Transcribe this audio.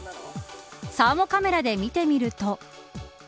サーモカメラで見てみると。